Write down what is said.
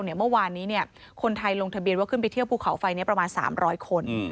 เมื่อวานนี้คนไทยลงทะเบียนว่าขึ้นไปเที่ยวภูเขาไฟนี้ประมาณ๓๐๐คน